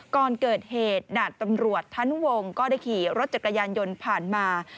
ก่อนเกิดเหตุดาบตำรวจธนุวงศ์ก็ได้ขี่รถจักรยานยนต์ผ่านมา